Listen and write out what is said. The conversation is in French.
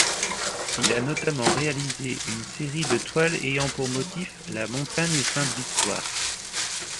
Il a notamment réalisé une série de toiles ayant pour motif la montagne Sainte-Victoire.